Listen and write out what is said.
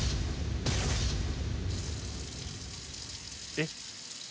えっ？